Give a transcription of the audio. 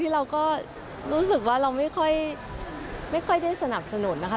เราก็รู้สึกว่าเราไม่ค่อยได้สนับสนุนนะคะ